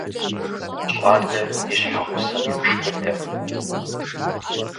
ЩӀалэр и щхьэгъусэм йошхыдэ.